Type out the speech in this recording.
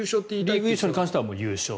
リーグ優勝に関してはもう優勝。